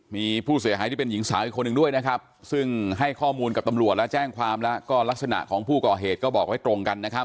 มีผู้เสียหายที่เป็นหญิงสาวอีกคนหนึ่งด้วยนะครับซึ่งให้ข้อมูลกับตำรวจและแจ้งความแล้วก็ลักษณะของผู้ก่อเหตุก็บอกไว้ตรงกันนะครับ